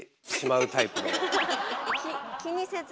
気にせず？